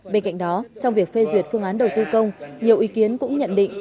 bên cạnh đó trong việc phê duyệt phương án đầu tư công nhiều ý kiến cũng nhận định